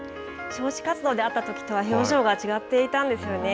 招致活動で会ったときとは表情が違っていたんですよね。